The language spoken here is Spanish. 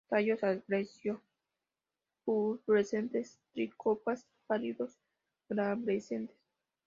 Tallos adpreso-pubescentes, tricomas pálidos, glabrescentes.